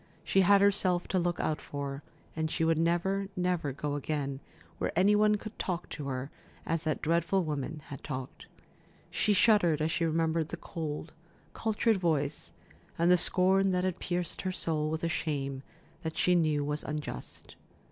She had herself to look out for, and she would never, never go again where any one could talk to her as that dreadful woman had talked. She shuddered as she remembered the cold, cultured voice, and the scorn that had pierced her soul with a shame that she knew was unjust.